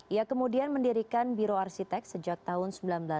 ia kemudian mendirikan biro arsitek sejak tahun seribu sembilan ratus sembilan puluh